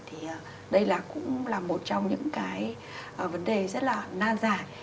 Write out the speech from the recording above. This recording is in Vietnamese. thì cũng cái vấn đề rất là na dài